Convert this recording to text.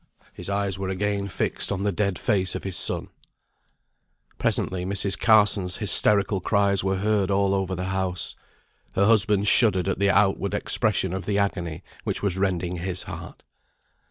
His eyes were again fixed on the dead face of his son. Presently Mrs. Carson's hysterical cries were heard all over the house. Her husband shuddered at the outward expression of the agony which was rending his heart.